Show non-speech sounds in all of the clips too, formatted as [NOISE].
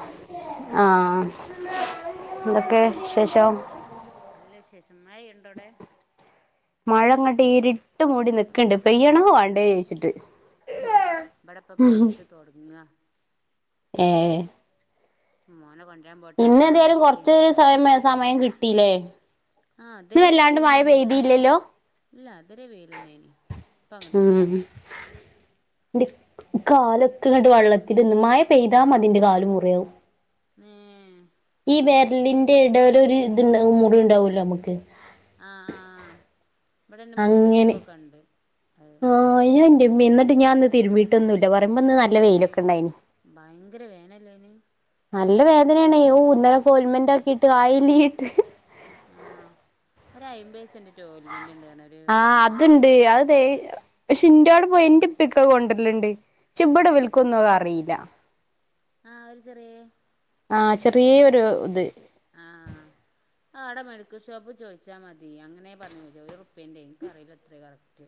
ഓ ആ എന്താണ് ഉം നല്ല വിശേഷം, മഴ പെയ്യ്ണ്ടോവിടെ? മഴങ്ങോട്ട് ഇരിട്ട് മൂടി നിക്ക്ണ്ട് പെയ്യണോ വണ്ടേ ചോദിച്ചിട്ട് വടപ്പ പെയ്‌ത് തോടങ്ങ ഏ മോനെ കൊണ്ട ഇന്ന് എന്തായാലും കൊറച്ച് രു [UNINTELLIGIBLE] സമയം കിട്ടീല്ലേ ആ ഇന്ന് അതരെേ വല്ലാണ്ട് മഴ വെയിൽലേനി പെയ്തിയില്ലല്ലോ ഇല്ല അതരെ വെയിലന്നേനി ഇപ്പങ്ങട്ട് പെയ്യ് എന്റെ കാലൊക്കെ ഇങ്ങട്ട് വള്ളത്തിൽന്ന് മഴ പെയ്താമതി ഇന്റെ കാല് മുറയാവും ഉം വെരലിന്റെ ഇടേൽ ഒരു ഇത്ണ്ടാവു മുറി ഉണ്ടാവുല്ലോ നമുക്ക് ആ ആഹ ഇവിടെൻ്റെ അങ്ങനെ മൂത്തച്ചിക്കൊക്കെ ഉണ്ട്. അത് തിരുമ്പി ഇന്ന്ട്ട് ഞാൻ ന്ന് തിരുമ്പിയിട്ടൊന്നും ഇല്ല. പറയുമ്പോന്ന് ഹോ നല്ല വെയിലെക്കെണ്ടായിനി. അല്ലേനി നല്ല വേദനയാണെ ഓ ഇന്നലക്കെ ഓൽമെന്റ ആക്കി ഇട്ട് അയ്യലീട്ട് ആഹ ഒരു അയ്പൈസ ഉണ്ട് പറഞ്ഞ് ഒരു ഉം ആഹ് അതുണ്ട് [UNINTELLIGIBLE] പക്ഷെ ഇൻ്റാടെ പോയി എൻ്റെ പിക്ക കൊണ്ടല്ലുണ്ട്. പക്ഷെ ഇവിടെ ഇവൽക്കുന്നും അറിയില്ല. ആഹ ഒര് ചെറിയേ ആ ചെറിയൊരു ഇത് ആഹ അ കവിടെ മെഡിക്കൽ ഷോപ്പ് ചോദിച്ചാൽ മതി അങ്ങനെ പറഞ്ഞു ഒരു റുപ്പിൻ്റെ ഇന്കറിയില്ല എത്ര കറക്റ്റ്.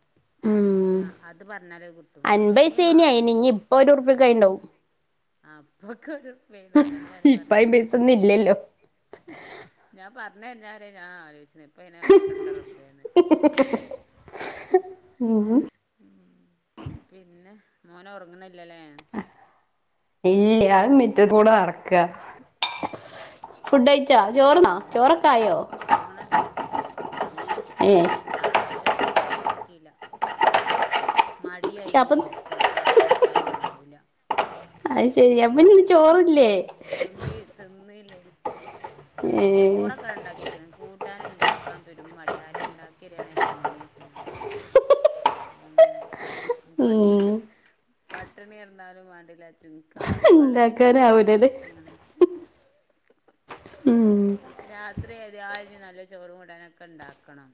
പക്ഷെ ഉം അത് പറഞ്ഞാലേ കിട്ടും അത് വേ അൻപൈസേനി മാറുന്നു അയിന് ഇനി ഇപ്പൊ ഒരു ഉറുപ്പ്യക്ക് അയിണ്ടാവും ആ പൊക്ക ഒരു വെണ അതന്നെ ഞാന് ഇപ്പ പറഞ്ഞു അയിമ്പൈസൊന്നും ഇല്ലല്ലോ ഞാൻ പറ [UNINTELLIGIBLE] ഞാൻ ആലോചിച്ച ഇപ്പ ഇനെ കണ്ടറപേന്ന് മ് പിന്നെ മോൻ ഉറങ്ങുന്നില്ലല്ലേ ഇല്ല മിറ്റത്തൂടെ നടക്കുക ഫുഡ ചോറന്നാ ചോറ ഓറങ്ങണ ഇല്ല ഏഹ് ആയോചിച്ച് കറിയണ്ട മടിആയി ഇങ്ങ അപ്പം ഇരിക്ക, കറി ഇണ്ടാക്കാനൊന്നും ആവൂല്ല അത് ശെരി അപ്പൊ ഇനി ചോറില്ലേ? തിന്ന് തിന്നില്ലേ ത് ഏഹ് ചോറൊക്കെ ഉണ്ടാക്കി കൂട്ടൻ ഉണ്ടാക്കാൻ ബരും മടി ആരെ ഉണ്ടാക്കിരാണെ തിന്നേന [UNINTELLIGIBLE] അങ്ങനെ പട്ട് ഉം പട്ടിണി കിടന്നാലും വേണ്ടില്ല ചുക്ക് കാവല പാളെ വീക്ഷണൊക്കെ ഉണ്ട് ഉണ്ടാക്കാനാവൂലല്ലേ അപ്പൊ എങ്ങനെ മ് രാത്രി അത് ആ നല്ല ചോറുകൂട്ടാനൊക്കെ ഉണ്ടാക്കണം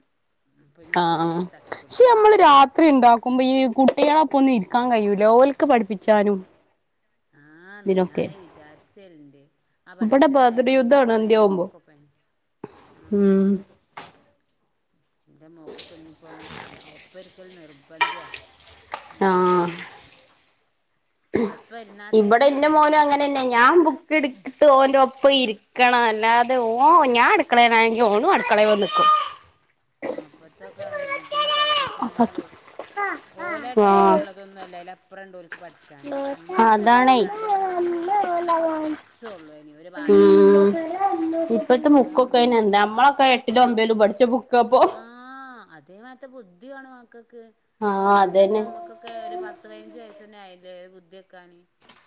ഇനിയിപ്പോ എന്ത ഒരു തട്ടിക്കൂട്ടന് ആവല അത്ര ഉണ്ടാക്കുമ്പോ ഈ കുട്ടികളെ അപ്പൊ ഒന്നും ഇരിക്കാൻ കഴിയൂലഓലക്ക് പഠിപ്പിച്ചാനും ആഹന്ന് ഞാന ഇതിനൊക്കെ വിചാരിച്ചന്റെ ആ ഇവിടെ പഠിപ്പിച്ചണ നേരവും ഉണ്ടാക്കണ നേരവും ഒക്കപ്പ മ്ഉം എന്റെ മോൾക്ക് കഴിഞ്ഞപ്പോ അവൾക്ക് ഒരിക്കൽ നിർബന്ധവാ ആ എന്നാലും [INAUDIBLE] ഇരുന്നാൽ ഇവിടെ തന്നെ എന്റെ മോന് അങ്ങനെതന്നെയ പഠിച്ചു ഞാൻ ബുക്ക് എടുത്ത് ഓന്റെ ഒപ്പം ഇരിക്കണ അല്ലാതെ ഓ ഞാൻ അടുക്കളേനാണെങ്കിൽ ഓനും അടുക്കള വന്ന് നിക്കും ആ അപ്പത്തൊക്കെ ഇതിലും പഠിപ്പിച്ചാഞ്ഞാലെ ഓല ആഹ് ടൈമിനുള്ളതൊന്നുമല്ല അതിൽ അപ്പുറണ്ട് പഠിച്ചാണ് നമ്മളൊക്കെ ചെറുപ്പത്തിൽ അതാണേ രണ്ടിലും മൂന്നിലും എന്നൊക്കെ പറഞ്ഞാൽ കുറച്ചേള്ളൂ ഇനി ഒരു പാട തീസം ഇപ്പോഴത്തെ ബുക്ക് ഒക്കെ എന്ത നമ്മളൊക്കെ എട്ടിലും ഒമ്പേലും പഠിച്ച ബുക്കാപ്പൊ ആ അതേമാറ്റ ബുദ്ധിയാണ് ആ ആഹ് പണ്ടത്തെ അതന്നെ നമ്മക്കൊക്കെ ഒരു പത്ത് പതിനഞ്ച് വയസ്സ് തന്നെ ആയില്ലേ ബുദ്ധി വയ്ക്കാൻ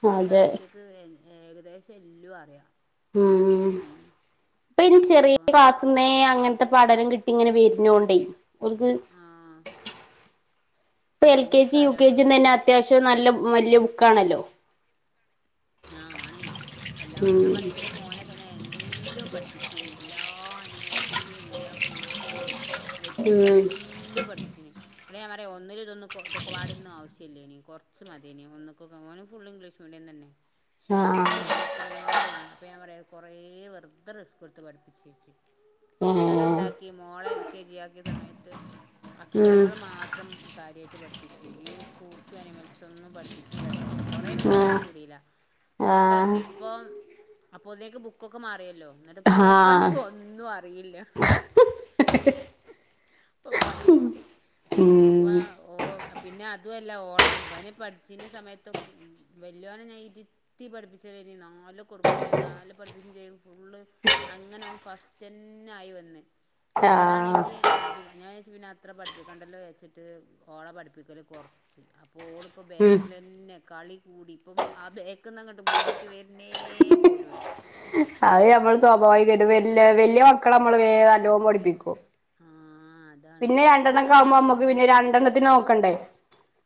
ഇപ്പൊ അതെ കയറ്റക്ക് ഏകദേശം എല്ലു അറിയാം മ് മ് ഉം ഇപ്പൊ ഇനി ചെറിയ അപ്പം ക്ലാസിന്നെ അങ്ങനത്തെ പഠനം കിട്ടി ഇങ്ങനെ വരുന്നണ്ടോ ഒരുക്ക് ആ ഇപ്പൊ എൽ അതന്നെ കെജി യു കെ കാര്യം ജിയും തന്നെ അത്യാവശ്യം നല്ല വലിയ ബുക്കാണല്ലോ ആ ആണേ എല്ലാ ഉം ഞാൻ പറയാ എന്റെ മോനൊ തന്നെ ഞാൻ എല്ലാം പഠിപ്പിച്ചിന്ന് എല്ലാം അനിമൽസിന്റെയും എല്ലാ ഫ്രൂട്ട്സ് വെജിറ്റബിൾ ഉം എല്ലാം പഠിപ്പിച്ചിന്ന് ആ ഞാൻ പറയാ ഒന്നും ഇല്ല ഒക്കൊടന്നും ആവശ്യമില്ലേ ഇനി കുറച്ച് മതിനോ ഓൻ ഓ ഫുൾ ഇംഗ്ലീഷ് മീഡിയം തന്നെ പക്ഷെ ആഹ് ഒന്നക്ക് ഒന്ന് ഇത്തര എന്നും വേണം അപ്പൊ ഞാൻ പറയാ കുറേ വെറുതെ റിസ്ക് എടുത്ത് പഠിപ്പിച്ച് ഏഹ് എന്നിട്ട്ന്താക്കി മോള് എൽ കെ ജി ആക്കിയ സമയത്ത് ഉം അക്ഷരങ്ങൾ മാത്രം കാര്യമായിട്ട് പഠിപ്പിച്ച് ഈ ഫ്രൂട്ട്സും അനിമൽസൊന്നും പഠിപ്പിച്ചില്ല കേട്ടോ കുറെ മേനക്കെട്ട് ആഹ് കൂടിയില്ല ആഹ് നട്ടോക്ക് ഇപ്പൊ അപ്പൊ ഒന്നേക്കെ ബുക്കൊക്കെ മാറിയല്ലോ ആഹ് എന്നിട്ടപ്പക്കാണെക്ക് ഒന്നും അറിയില്ല [INAUDIBLE] ഇപ്പൊ പണി കിട്ടി ഉം ഇപ്പ ഓ പിന്നെ അതും അല്ല ഓള് വനെ പഠിച്ച് സമയത്ത വല്ല [INAUDIBLE] ഇരുത്തി പഠിപ്പിച്ചനി നാല് കൊടുക്കയും ചെയ്യും നാല് പഠിപ്പ് ചെയ്യും ഫുള്ള് അങ്ങനെ ഫസ്റ്റ് പിന്നായി വന്ന് ആഹ് ഇവളാണെങ്കിൽ അത് ഞാൻ പിന്നെച്ച അത്ര പഠിപ്പിക്കണ്ടല്ലോ വിചാരിച്ചിട്ട് ഓളെ പഠിപ്പിക്കല് കൊറ ശരി അപ്പൊ ഓളിപ്പോ ഉം ബേക്കിൽ തന്നെ കളി കൂടി ഇപ്പം [UNINTELLIGIBLE] മുന്നേക്ക് വരുന്നേ പോലുല്ല അത് നമ്മള് സ്വാഭാവികായിട്ടും വല്യ വല്യ മക്കളെ നമ്മള് വേഗം നല്ല പോലെ പഠിപ്പിക്കും ആഹ് അതാണ് പിന്നെ ഇപ്പളും ഓന് രണ്ടെണ്ണക്കവുമ്പോൾ അങ്ങനെ അമ്മക്ക് തന്നെ പിന്നെ രണ്ടെണ്ണത്തിനെ നോക്കണ്ടേ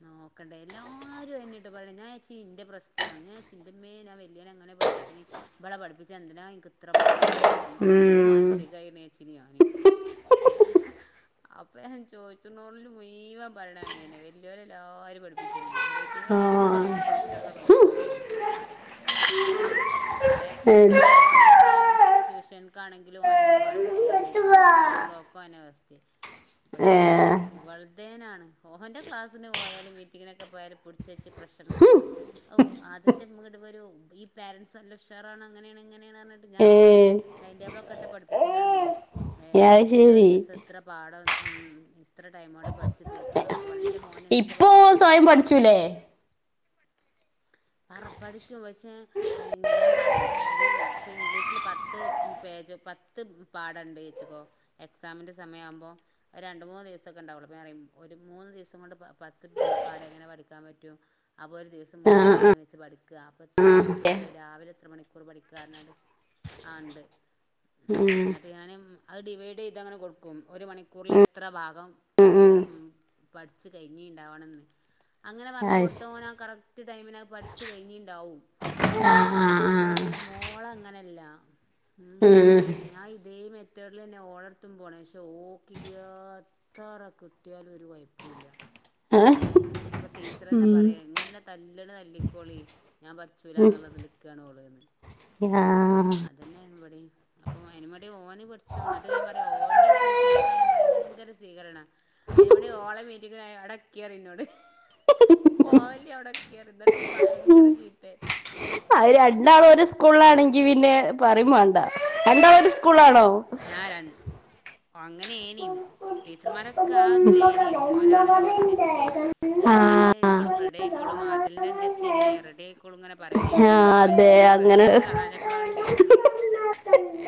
നോക്കണ്ടേ എല്ലാരും എന്നിട്ട് പറയണ് ഞാൻ എൻ്റെ പ്രശ്നം [UNINTELLIGIBLE] ആന്ന്. ഞാൻ [UNINTELLIGIBLE] എന്റമ്മേ ഞാൻ വല്യോന അങ്ങനെ ഇവളെ പഠപ്പിച്ചിനാ എന്തിനാ ഇക്ക് ഇത്ര മടി എനിക്കന്തോ ഉം മാനസികമായി ഇനേച്ചിനാണ് പക്ഷെ അപ്പൊ ഞാൻ ചോദിച്ചോല് മുഴുവാൻ പറയണ അങ്ങനെ വലിയ വരെ എല്ലാവരും പഠിപ്പിച്ചിട്ടുണ്ട് റേറ്റങ്ങളെ പിന്നെ ആഹ് കൊറച്ചൊക്കെ നോക്കുള്ളൂന്ന് അറിയാം ഇപ്പളും മോനെന്നേ ട്യൂഷന്ക്കാണെങ്കിലും ഏ ഓനന്നേ ഫസ്റ്റ് സ്കൂളിലോക്കും ഓനാ ഫസ്റ്റ് പക്ഷെ ഇവളതേനാണ് ഓന്റെ ക്ലാസ്സിന് പോയാലും മീറ്റിംങിനോക്കെ പോയാലും പിടിച്ചു വെച്ച് പ്രശംസയാണ് ഔ ആദിലിന്റെ ഉമ്മങ്ങട് വരൂ ഈ പേരന്റ്സ് നല്ല ഉഷാറാണ്. അങ്ങനെയാണ് ഇങ്ങനെയാണ് പറഞ്ഞിട്ട് ഞാൻ ഓന് ഏ ടൈംടേബിൾ ഒക്കെ ഇട്ട് പഠിപ്പിച്ചലാണ് ഏ ഒ അത് ഇത്ര ശരി ദിവസം ഇത്ര പാഠം ഇത്ര ടൈം കൊണ്ട് പഠിച്ചു തീർക്കണം എന്നൊക്കെ പ അപ്പൊ എന്റെ മോൻ എന്ത് ഇപ്പൊ പറഞ്ഞാലും ഓൻ സ്വയം കേൾക്കും പഠിച്ചൂലേ പറ പഠിക്കും പക്ഷേ ഞാൻ പറയും ഒരു ഇംഗ്ലീഷിൽ പത്ത് പേ [UNINTELLIGIBLE] പത്ത് പാടാണ്ട് വെച്ച് ക്കോ എഖ് സാമിന്റെ സാ സ ഉ [INAUDIBLE] പറയും ഒരു മൂന്ന് ദിവസം കൊണ്ട് പ പത്ത് പാടെങ്ങനെ പഠിക്കാൻ പറ്റും അപ്പോ ഒരു ദിവസം ആ മൂന്ന് പാ [UNINTELLIGIBLE] പഠിക്യ അപ്പ ഇത്ര മണിക്കൂറിൽ രാവിലെത്ര മണിക്കൂർ പഠിക്കാ [UNINTELLIGIBLE] ആ ഇണ്ട് എന്നിട്ട് ഞാന് മ് അത് ഡിവൈഡെയ്തങ്ങനെ കൊടുക്കും. ഒരു മണിക്കൂറിൽ എത്ര ഭാഗം ഉം ഉം ക്ലിയർ മ് പഠിച്ച് കഴിഞ്ഞ് [UNINTELLIGIBLE] ഇണ്ടാവണന്ന് അങ്ങനെ പറഞ്ഞു അത് ശ കൊടുത്താൽ ഓൻ ആ കറക്ട് ടൈമിനാ പഠിച്ചു കഴിഞ്ഞിണ്ടാവും ആ ആ ആ പക്ഷേ മോളങ്ങനെല്ല ഉം മോൾക്ക് ഞാൻ ഇതേയ് മ [UNINTELLIGIBLE] ഓളെട്ത്തും പോണെ. പക്ഷെ ഓക്ക് എത്ര കിട്ടിയാലും ഒരു കൊയപ്പൂല്ല ഏഹ് ഇപ്പൊ ടീച്ചറന്നെ പറയും ഇങ്ങളെന്നെ തല്ലണ തല്ലിക്കോളീം ഞാൻ പടിചൂല എന്നുള്ള ഇത് ല് [UNINTELLIGIBLE] ഓള്ന്ന് ഉം ആ മ് അതന്നെ ഇവ്ടേം അപ്പൊ അതിനും വേണ്ടി ഓന് പഠിച്ചും എന്നിട്ട് ഞാൻ പറയും ഓന്റെ മീറ്റിങ്ങിനോയാ ഭയങ്കര സ്വീകരണ അയിനും വേണ്ടി ഓളെ മീറ്റിങ്ങിനോയാൽ അവ്ടെ നിക്കി പറയും ഇന്നോട് പോവല്ലി [UNINTELLIGIBLE] എന്നിട്ടും ഭയങ്കര ചീത്തേ അത് രണ്ടാളും ഒരു സ്കൂളാണെങ്കി പിന്നെ പറയും മാണ്ട. രണ്ടാളും ഒരു സ്കൂളാണോ? [UNINTELLIGIBLE] അങ്ങനെനീ ടീച്ചർമാരൊക്കെ ആ ഇതിലേനി ഓനാണല്ലോ ഫസ്റ്റിചീട്ടേ ഓള് റെഡി ആ ആയിക്കോളും റെഡിയായിക്കോളും ആദിലിന്റെ അനുജത്തിയല്ലേ റെഡി ആയിക്കോളും ഇങ്ങനെ പറയലേനി ആഹ് ഇപ്പോ നാൽല് അതെ എത്തിയിട്ടും അങ്ങനെ റെഡിയാവണത് കാണാനഞ്ഞപ്പോളാണ് ടീച്ചർമാരു എ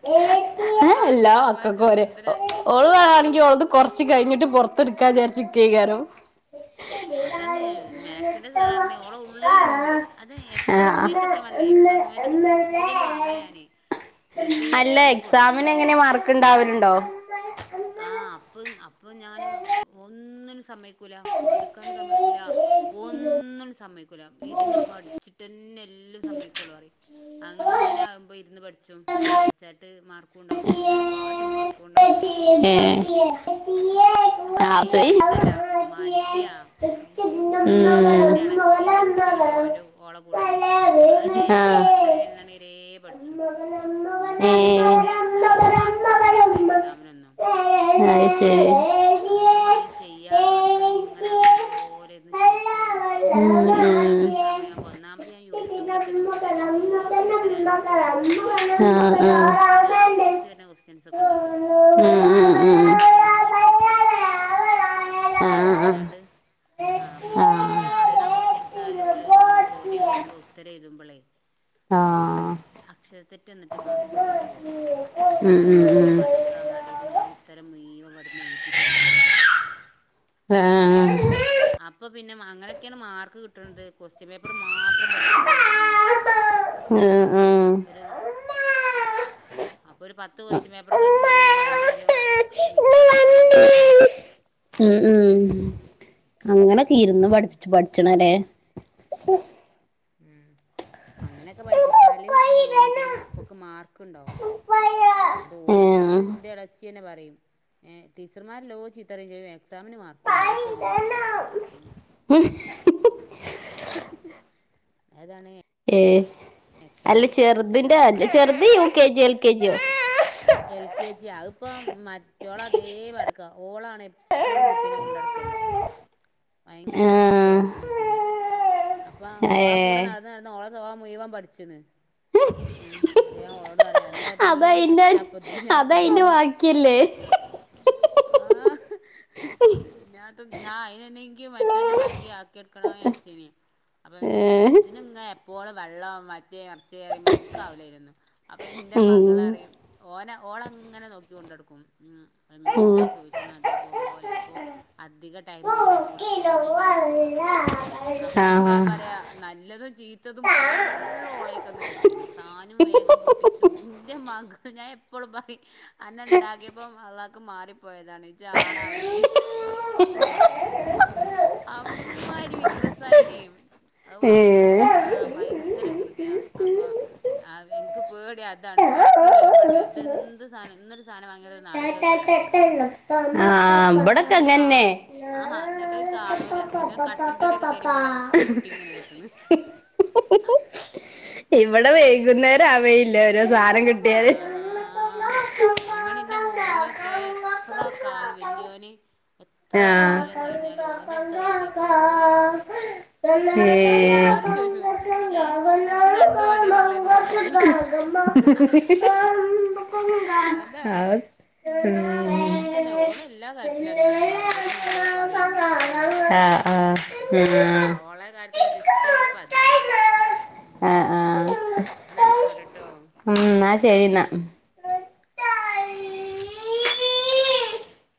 [UNINTELLIGIBLE] [UNINTELLIGIBLE] എല്ലാ മക്കക്കും ഓര് ഓ ചോദിച്ചിട്ടുണ്ട് ഓള് വേണെങ്കി ഓളത് കൊറച്ച് കഴിഞ്ഞിട്ട് പുറത്ത്ടുക്കാ [UNINTELLIGIBLE] അതന്നെ മാക്സിന്റെ സാർ പറഞ്ഞു ഓളെ [UNINTELLIGIBLE] ഉള്ളില്ണ്ട് അത് എക്സാം ആഹ് സമയത്തൊക്കെ ഞാൻ പറഞ്ഞില്ലേ എക്സാം സമയത്തൊക്കെ ചൂരല് വാങ്ങലാ ഞാന് അല്ല എക്സാമിനെങ്ങനെ മാർക്ക് ഇണ്ടാവലുണ്ടോ? ആ അപം [UNINTELLIGIBLE] ഞാന് ഒന്നിനും സമ്മയികൂല കെടക്കാനും സമ്മയ്ക്കൂല ഒന്നിനും സ സമയ്ക്കുല ഇര്ന്ന് പഠിച്ട്ടെന്നെ എല്ലാം സമ്മയ്ക്കൊളളുന്നു പറയും. അങ്ങനെ ആവ്മ്പോ ഇരുന്ന് പഠിച് [UNINTELLIGIBLE] പഠിച്ചാട്ട് മാർക്കുണ്ടാവും എല്ലാരെ കാട്ടിയും മാർക്കുണ്ടാവും ഏഹ് [INAUDIBLE] അപ്പ കയ്യാഞ്ഞിട്ടല്ല മടിയാ വയ്ങ്കര മടിയാ എന്റെ എളച്ചീന്റെ കുട്ടിയു ണ്ട് ണ്ടോന്റെ ഓളെ കൂടെന്നെ അത് ഡെെലി പത്തണി ഉം പയ്നൊന്നണിവരേ പഠിച്ചും ഉം ഏഹ് എന്നട്ട് അയിന് മാർക്കൊന്നും ഉണ്ടാവൂല എക്സാമിനൊന്നും ഏ അയ്ശെരി അത് ഈ ചെയ്യാള്ള വർക്ക് അങ്ങനെ ആക്കും പോലെ ഇരുന്ന് ചെയ്യും അത്രേള്ളൂ ഉം ഉം ആഹ് ആഹ് ഉം ഉം ഉം ഇവള് എക്സാ [UNINTELLIGIBLE] സമയാവുമ്പോ ഒന്നാമത് ഞാൻ യൂട്യൂബിലൊക്കെ നോക്കിയിട്ട് എല്ലോ കൊസ്ത്യൻ ആൻസർ അയിലെ ആഹ് പ്രീ [UNINTELLIGIBLE] അങ്ങനെ ആവർത്തിച്ച് വരുന്ന കൊസ്റ്റൻസൊക്കെ ഉണ്ടാവല്ലോ അതൊക്കെ ചെയ്യിപ്പി ആഹ് ആഹ് ഏഴ്തിപ്പിച്ചാണ്ട് ആ അപ്പൊ മറ്റേ അമ്മള് അറിയണ കൊസ്റ്റൻസായാലും ഓല് ചോദ്യം വര്മ്പോ ഉത്തരം എഴുതുമ്പളേ അപ്പം ആഹ് അക്ഷര തെറ്റ് എന്നിട്ട് മാർക്ക് കൊറെ പോവും ഉം അപ്പം ഉം അത് ഉം പോവാതിക്കാൻ വേണ്ടിയിട്ട് ഞാ ഉത്തരം മുഴുവനും ഇവിടുന്നു എഴുതിപ്പിച്ച് പഠിപ്പിക്കും ഏഹ് അപ്പൊ പിന്നെ അങ്ങനെയൊക്കെയാണ് മാർക്ക് കിട്ടണത് കൊസ്റ്റ്യൻ പേപ്പറ് മാത്രം പഠിച്ചു പോകും ഇബടന്ന്. ഉം ഉം [INAUDIBLE] അപ്പോ ഒരു പത്ത് കൊസ്റ്റ്യൻ പേപ്പറൊക്കെ ഉം ചെയ്യുമ്പ അതീന്നൊര് അ മിക്സായിട്ടാണല്ലോ വ ര്യാ ഇം ഇം ത്തി ഇരുന്ന് പഠിച്ച് പഠിച്ചണല്ലേ ഉം അങ്ങനെയൊക്കെ പഠിപ്പിച്ചാല് ഏഹ് ഒന്നുകൂടി ഇവക്ക് മാർക്ക് ഇണ്ടാവും. എന്നിട്ട് ഓൻ എന്നിട്ട് ഏഹ് ഇന്റെ എളേച്ചി തന്നെ പറയും ഏഹ് ടീച്ചർമാരെല്ലോം ചീത്തപറയേംചെയ്യും എക്സാമിന് മാർക്കും ഉണ്ടാവും അത്‌ അപ്പ എങ്ങനെ ചോയ്ച്ചും. അതാണേ ഏയ് അല്ല ചെറുതിൻ്റെ ആണ് അല്ല പറയാം ചെറുത് യു. കെ. ജിയോ എൽ. K G. യോ എൽ. കെ ജി അതിപ്പോ മറ്റോള അതേ പടുക്കാ ഓളാണ് എപ്പളും കുട്ടീനെ കുണ്ട് നടക്കല് ഭയങ്കര ഇസ്ട്ടോ ആഹ് അവക്ക് കുട്ടീനെ ഇം ഇം അപ്പ ഓള കൂടെ ഏഹ് നടന്ന് നടന്ന് ഓളെ സ്വഭാവം മുയ്മനും പഠിച്ചിണ് ആഹ് അത്‌ ഞാൻ ഓളോട് പറയാ അന്റെ അതേ അതയിന്റെ ചാപ്പത് ഞാൻ അതയിന്റെ കുടുങ്ങി ബാക്കിയല്ലേ ആ ഞാൻ എന്നിട്ട് ഞാ [UNINTELLIGIBLE] [UNINTELLIGIBLE] മറ്റൊന്റെ മാതിരിക്കി ആക്കി എടക്കണോന്ന് വിചാരിച്ചീനി അപ്പം ഏഹ് ഇതിനിങ്ങനെ എ പ്പോളും വെള്ളം മറ്റേത് മറിച്ചെന്ന് പറയുമ്പോ എന്ക്കാവൂല അയ്നൊന്നും അപ്പൊ ഇന്റെ മകള് ഉം പറയും ഓന ഓള അങ്ങനെ നോക്കി കൊണ്ടടക്കും ഉം ഉം എന്താ ചോദിച്ചണം അതേപോലെ അപ്പൊ അധിക ടൈമും ഓളെ കൂടെ തന്നാ നടക്കുക അപ്പ ഇപ്പ ഞാൻ ആഹ് പറയാ നല്ലതും ചീത്തതും ഫുള്ള് ഓളയക്കന്ന് കിട്ടിയണ് സാനും വേഗം പൊട്ടിച്ചും ഇന്റെ ഉമ്മാക്ക് ഞാൻ എപ്പളും പറയും അന്നെ ഇണ്ടാക്കിയപ്പം അള്ളാക്ക് മാറി പോയതാണ് ഇജ്ജ് ആണാവണ്ടീനി അമ്മാരി വിക്രസൈനേം അത് ഏഹ് [UNINTELLIGIBLE] ഭയങ്കര വികൃതിയാണ് അപ്പൊ ആഹ് എനിക്ക് പേടി അതാണ് പഠിച്ചില്ലേലും മേണ്ടീല്ല ഇതെ ന്ത് സാനം ഇന്നൊരു സാധനം വാങ്ങിയാ അത് നാളേക്കത് കേടാക്കിയിട്ടിണ്ടാവും ആ ഇബടക്ക അതന്നെ ആഹാ എന്നിട്ട് കാണൂല പിന്നെ കട്ടിലിന്റെഅടീല് തെരയുമ്പ ഇണ്ടാകും പൊട്ടി ഇങ്ങനെ കിട്ടണ്. ഇത് ഇവിടെ പൊട്ടിച്ചാട്ടേലേറി വൈകുന്നരാവേയില്ല ഓരോ സാധനം കിട്ടിയാല് അതിനും മേണ്ടി എന്റെ മോനൊക്കെ എത്ര കാലം വല്യോന് എത്ര കാലം ആഹ് കഴി ആഹ് ഞ്ഞാലും ഓന്റെ അടുത്ത് അതേപോലെ ഇണ്ടാവും. എന്നട്ടെല്ലാരും ചോദിച്ചുഏഹ് ഇത് രണ്ടും ഒരേ പള്ളേന്ന് പോന്നല്ലേന്ന് അതാണ് [UNINTELLIGIBLE] ഉം അങ്ങനെ തന്നെ ഓള് എല്ലാ കാര്യത്തിലും അങ്ങനെ മറുപടി നല്ലോ പറയും ഇന്റെ ഉമ്മക്കൊക്കെ ആ ആ ഇക്ക് ആക ഓളെ കാര്യ ഇഷ്ട്ട ള്ളത് പ്പോ അതാണ് ആഹ് ന്ന ആയിക്കോട്ടെട്ടോ ഉം എന്നാ ശരിന്നാ